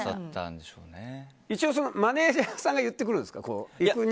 一応、マネジャーさんが言ってくるんですか？